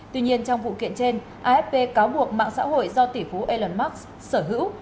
tuy nhiên trong vụ kiện trên afp cáo buộc mạng xã hội do tỷ phú elon musk sở hữu